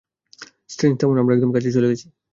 Strange, থামুন, আমরা একদম কাছে চলে গেছি।